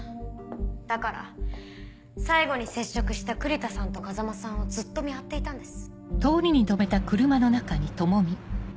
だから最後に接触した栗田さんと風真さんをずっと見張っていたんです。